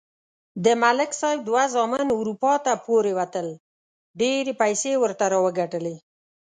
د ملک صاحب دوه زامن اروپا ته پورې وتل. ډېرې پیسې یې ورته راوگټلې.